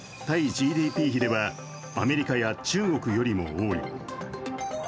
対ＧＤＰ比ではアメリカや中国よりも多い。